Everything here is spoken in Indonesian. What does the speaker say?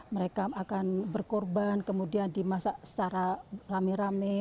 mereka akan berkorban kemudian dimasak secara rame rame